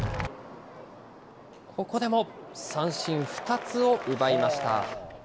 ここでも三振２つを奪いました。